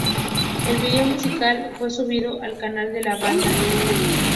El video musical fue subido al canal de la banda en YouTube.